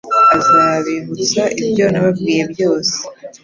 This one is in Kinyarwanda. azabibutsa ibyo nababwiye byose."